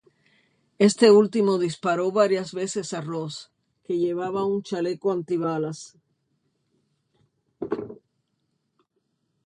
Este último disparó varias veces a Ross, que llevaba un chaleco antibalas.